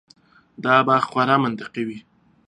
دا به خورا منطقي وي.